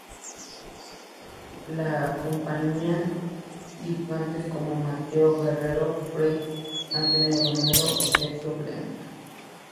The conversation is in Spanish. Lo acompañan dibujantes como Mateo Guerrero, Fritz, Antonio Romero, o Sergio Bleda.